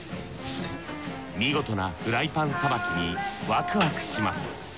見事なフライパンさばきにワクワクします。